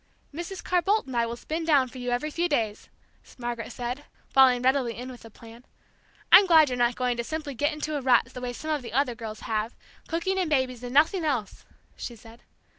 "Mrs. Carr Boldt and I will spin down for you every few days," Margaret said, falling readily in with the plan. "I'm glad you're not going to simply get into a rut the way some of the other girls have, cooking and babies and nothing else!" she said.